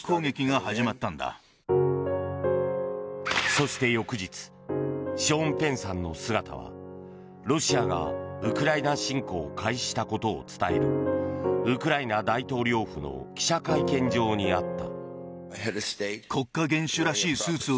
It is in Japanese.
そして翌日ショーン・ペンさんの姿はロシアがウクライナ侵攻を開始したことを伝えるウクライナ大統領府の記者会見場にあった。